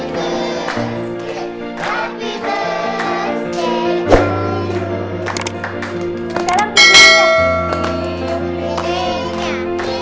selamat ulang tahun